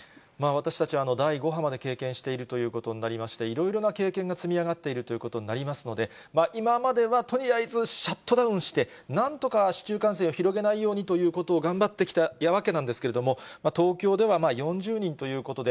私たち、第５波まで経験しているということになりまして、いろいろな経験が積み上がっているということになりますので、今まではとりあえずシャットダウンして、なんとか市中感染を広げないようにということを頑張ってきたわけなんですけれども、東京では４０人ということで、